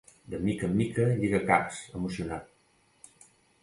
De mica en mica lliga caps, emocionat.